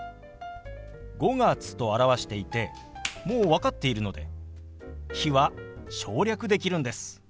「５月」と表していてもう分かっているので「日」は省略できるんです。